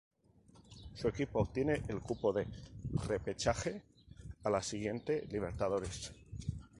Su equipo obtiene el cupo de repechaje a la siguiente Libertadores.